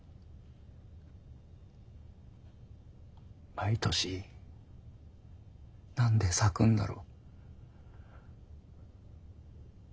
毎年何で咲くんだろ。